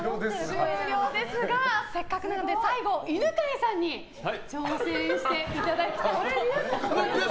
終了ですがせっかくなので最後犬飼さんに挑戦していただきたいと思います。